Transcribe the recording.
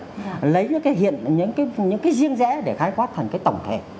dạ lấy những cái hiện những cái những cái riêng rẽ để khai quát thành cái tổng thể